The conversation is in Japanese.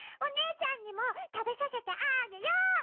おねえちゃんにもたべさせてあげよう！